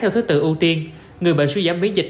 theo thứ tự ưu tiên người bệnh suy giảm biến dịch